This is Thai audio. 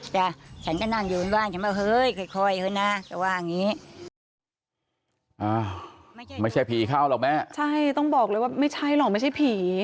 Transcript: ใช่ต้องบอกเลยว่าไม่ใช่หรอกไม่ใช่ผี